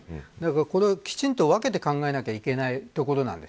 これは、きちんと分けて考えなきゃいけないところです。